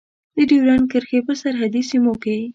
د ډیورند کرښې په سرحدي سیمو کې.